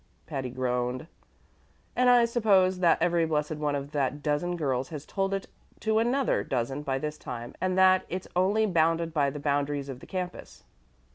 Patty groaned. "And I suppose that every blessed one of that dozen girls has told it to another dozen by this time, and that it's only bounded by the boundaries of the campus.